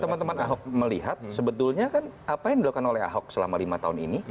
teman teman ahok melihat sebetulnya kan apa yang dilakukan oleh ahok selama lima tahun ini